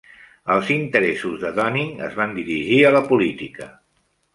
Els interessos de Dunning es van dirigir a la política.